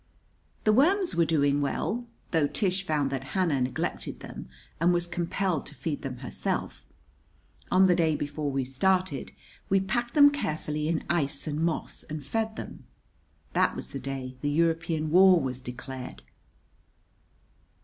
The worms were doing well, though Tish found that Hannah neglected them, and was compelled to feed them herself. On the day before we started, we packed them carefully in ice and moss, and fed them. That was the day the European war was declared.